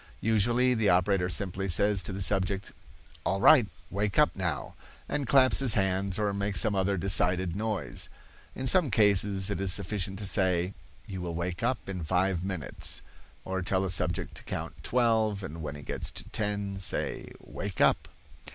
Usually the operator simply says to the subject, "All right, wake up now," and claps his hands or makes some other decided noise. In some cases it is sufficient to say, "You will wake up in five minutes"; or tell a subject to count twelve and when he gets to ten say, "Wake up."